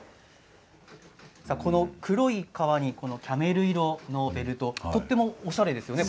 この黒い革にキャメル色のベルトとてもおしゃれですよね。